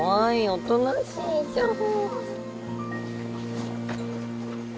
おとなしいじゃん。